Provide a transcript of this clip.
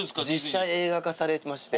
実写映画化されまして。